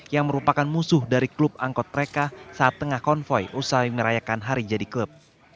yang merupakan musuh dari klub angkot mereka saat tengah konvoy usai merayakan hari jadi klub